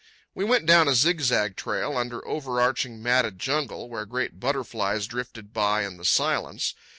We went down a zigzag trail under overarching, matted jungle, where great butterflies drifted by in the silence.